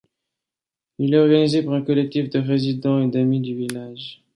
Il est organisé par un collectif de résidents et d'amis du village.